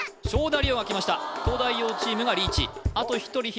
勝田りおがきました東大王チームがリーチあと１人